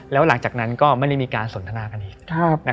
แล้วหลังจากนั้นก็ไม่ได้มีการสนทนากันอีก